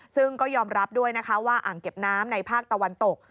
ซึ่งก็ยอมรับด้วยนะคะว่าอ่างเก็บน้ำในภาคตะวันตก